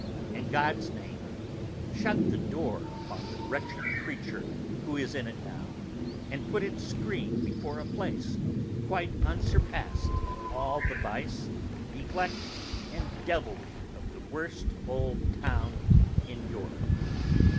In God's name! shut the door upon the wretched creature who is in it now, and put its screen before a place, quite unsurpassed in all the vice, neglect, and devilry, of the worst old town in Europe.